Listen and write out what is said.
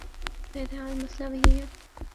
بہرحال مسئلہ وہی ہے۔